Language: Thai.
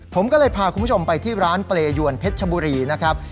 ผมก็เลยพาคุณผู้ชมไปที่ร้านเปรยวนเพชรชบุรีนะครับ